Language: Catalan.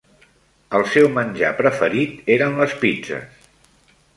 El seu menjar preferit eren les pizzes.